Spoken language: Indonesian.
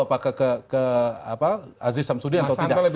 apakah ke aziz samsudin atau tidak